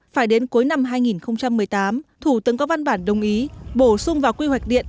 phải đến cuối năm hai nghìn một mươi tám thủ tướng có văn bản đồng ý bổ sung vào quy hoạch điện